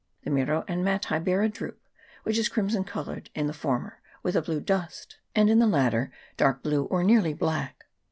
The miro and matai bear a drupe, which is crimson coloured in the former, with a blue dust, and in the latter dark blue, or nearly black.